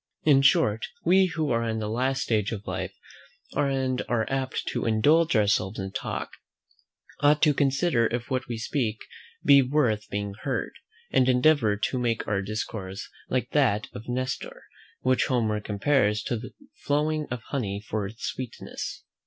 In short, we, who are in the last stage of life, and are apt to indulge ourselves in talk, ought to consider if what we speak be worth being heard, and endeavour to make our discourse like that of Nestor, which Homer compares to the flowing of honey for its sweetness.